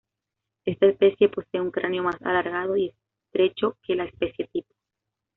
Esta especie posee un cráneo más alargado y estrecho que la especie tipo.